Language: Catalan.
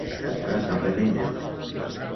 La guerra es va reprendre.